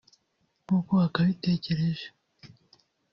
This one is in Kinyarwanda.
nk’uko wakabitekereje